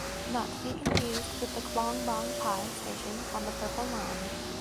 Not to be confused with the Khlong Bang Phai station on the Purple Line.